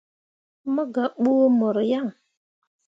Mo gah buu mor yaŋ.